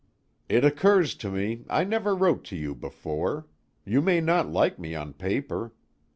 "It occurs to me, I never wrote to you before. You may not like me on paper.